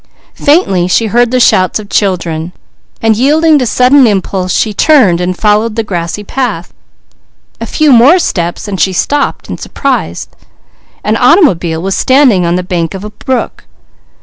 Faintly she heard the shouts of children, and yielding to sudden impulse she turned and followed the grassy path. A few more steps, then she stopped in surprise. An automobile was standing on the bank of a brook.